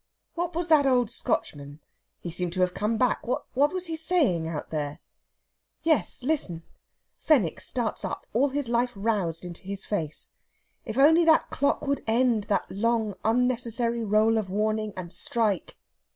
What was that old Scotchman he seemed to have come back what was he saying outside there? Yes, listen! Fenwick starts up, all his life roused into his face. If only that clock would end that long unnecessary roll of warning, and strike!